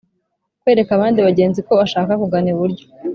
kwereka abandi bagenzi ko ashaka kugana iburyo